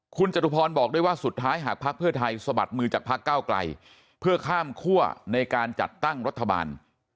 คุณจตุพรบอกด้วยว่าสุดท้ายหากภักดิ์เพื่อไทยสะบัดมือจากพักเก้าไกลเพื่อข้ามคั่วในการจัดตั้งรัฐบาล